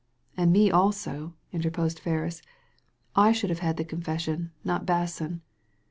" And me also," interposed Ferris. *' I should have had the confession, not Basson."